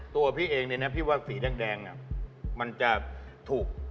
ตัวพี่เองเนี่ยนะพี่ว่าสีแดงมันจะถูก